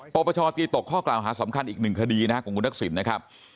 ปปชตีตกข้อกล่าวหาสำคัญอีกหนึ่งคดีนะครับของคุณทักษิณนะครับ